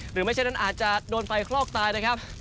ไม่ใช่นั้นอาจจะโดนไฟคลอกตายนะครับ